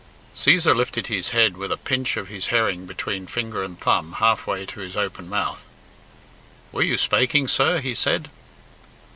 Cæsar lifted his head with a pinch of his herring between finger and thumb half way to his open mouth. "Were you spaking, sir?" he said.